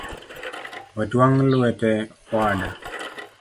Otwang’ lwete owada